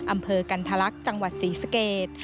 อำเภอกันทะลักษณ์จังหวัดศรีสเกต